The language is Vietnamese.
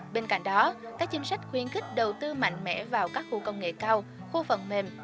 bên cạnh đó các chính sách khuyến khích đầu tư mạnh mẽ vào các khu công nghệ cao khu phần mềm